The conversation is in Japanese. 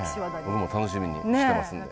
僕も楽しみにしてますんで。